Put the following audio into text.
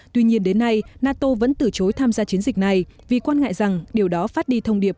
tuy nhiên đến nay nato vẫn từ chối tham gia chiến dịch này vì quan ngại rằng điều đó phát đi thông điệp